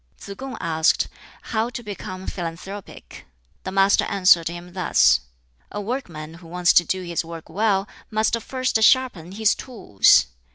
Tsz kung asked how to become philanthropic. The Master answered him thus: "A workman who wants to do his work well must first sharpen his tools.